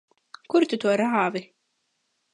Kur tu to rāvi?